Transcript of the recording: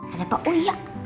ada pak uya